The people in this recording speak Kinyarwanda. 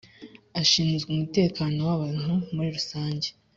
ashinzwe umutekano w’abantu muri rusange